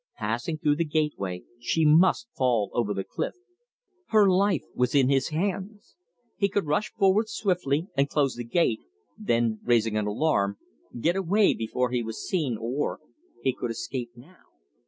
Passing through the gateway, she must fall over the cliff. Her life was in his hands. He could rush forward swiftly and close the gate, then, raising an alarm, get away before he was seen; or he could escape now.